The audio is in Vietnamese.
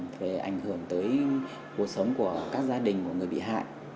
thì ảnh hưởng tới cuộc sống của các gia đình của người bị hại